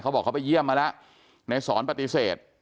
บอกเขาไปเยี่ยมมาแล้วในสอนปฏิเสธ